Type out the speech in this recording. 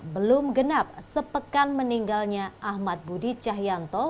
belum genap sepekan meninggalnya ahmad budi cahyanto